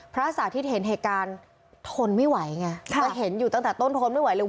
สาธิตเห็นเหตุการณ์ทนไม่ไหวไงก็เห็นอยู่ตั้งแต่ต้นทนไม่ไหวเลย